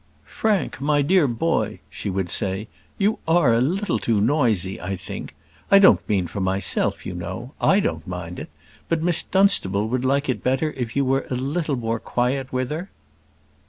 "Frank, my dear boy," she would say, "you are a little too noisy, I think. I don't mean for myself, you know; I don't mind it. But Miss Dunstable would like it better if you were a little more quiet with her."